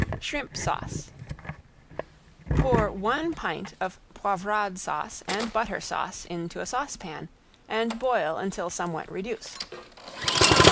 ~SHRIMP SAUCE~ Pour one pint of poivrade sauce and butter sauce into a saucepan and boil until somewhat reduced.